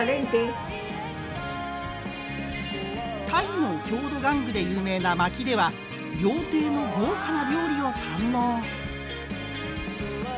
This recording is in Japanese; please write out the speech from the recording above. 鯛の郷土玩具で有名な巻では料亭の豪華な料理を堪能。